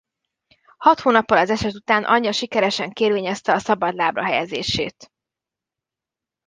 Hat hónappal az eset után anyja sikeresen kérvényezte a szabadlábra helyezését.